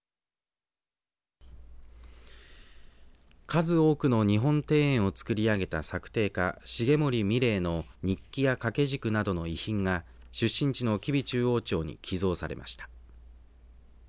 数多くの日本庭園をつくり上げた作庭家、重森三玲の日記や掛け軸などの遺品が出身地の吉備中央町に寄贈されました。